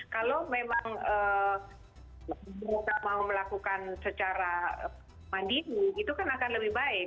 kalau memang mereka mau melakukan secara mandiri itu kan akan lebih baik